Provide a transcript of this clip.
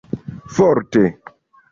forte